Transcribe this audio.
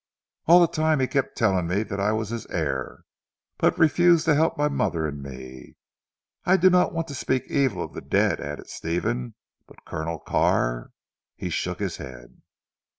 "All the time he kept telling me that I was his heir, but refused to help my mother and me. I do not want to speak evil of the dead" added Stephen, "but Colonel Carr " he shook his head.